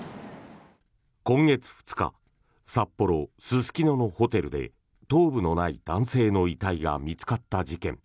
今月２日札幌・すすきののホテルで頭部のない男性の遺体が見つかった事件。